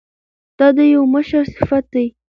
دا د یو مشر صفت دی.